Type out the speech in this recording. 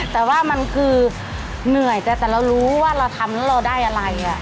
แต่ว่ามันคือเหนื่อยแต่แต่เรารู้ว่าเราทำแล้วเราได้อะไร